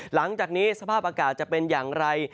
หลังจากนี้สภาพอากาศจะเป็นอย่างไร